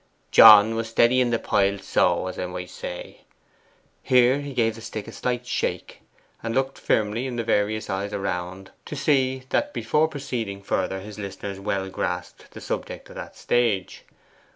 'John was steadying the pile so, as I might say.' Here he gave the stick a slight shake, and looked firmly in the various eyes around to see that before proceeding further his listeners well grasped the subject at that stage.